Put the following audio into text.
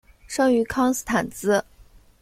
生于康斯坦茨。